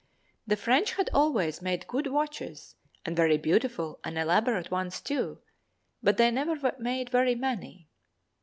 The French had always made good watches and very beautiful and elaborate ones too, but they never made very many.